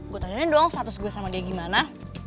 gue tanya doang status gue sama dia gimana